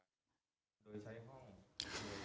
โดยใช้ฮ่อ